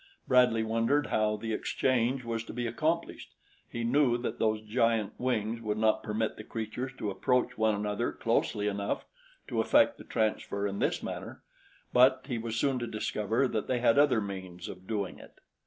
Bradley wondered how the exchange was to be accomplished. He knew that those giant wings would not permit the creatures to approach one another closely enough to effect the transfer in this manner; but he was soon to discover that they had other means of doing it.